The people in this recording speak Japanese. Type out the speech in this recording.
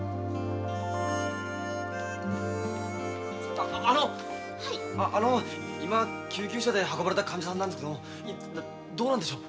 あの今救急車で運ばれた患者さんなんですけどどうなんでしょう？